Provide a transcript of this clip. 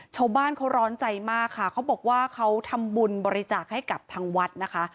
ชาวบ้านเขาร้อนใจมากค่ะเขาบอกว่าเขาทำบุญบริจาคให้กับทางวัดนะคะ